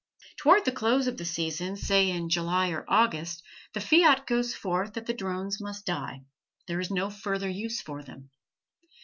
Toward the close of the season, say in July or August, the fiat goes forth that the drones must die; there is no further use for them.